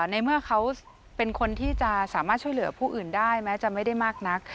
ในเมื่อเขาเป็นคนที่จะสามารถช่วยเหลือผู้อื่นได้แม้จะไม่ได้มากนัก